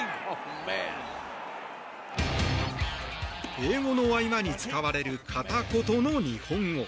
英語の合間に使われる片言の日本語。